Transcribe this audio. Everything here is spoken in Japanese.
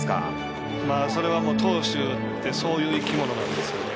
それは投手ってそういう生き物なんですよね。